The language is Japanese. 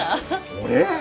俺！？